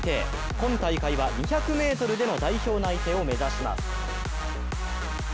今大会は２００ｍでの代表内定を目指します。